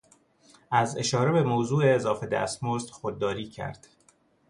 از اشاره به موضوع اضافه دستمزد خودداری کرد.